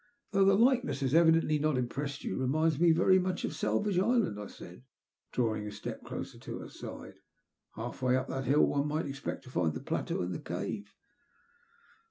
'' Though the likeness has evidently not impressed you, it reminds me very much of Salvage Island/* I said, drawing a step closer to her side. " Half way up that hill one might well expect to find the plateau and the cave."